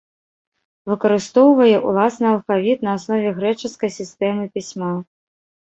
Выкарыстоўвае уласны алфавіт на аснове грэчаскай сістэмы пісьма.